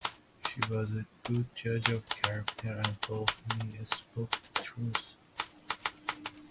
She was a good judge of character and felt he spoke the truth.